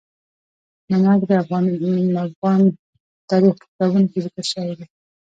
نمک د افغان تاریخ په کتابونو کې ذکر شوی دي.